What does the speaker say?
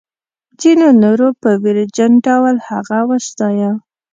ځینو نورو په ویرجن ډول هغه وستایه.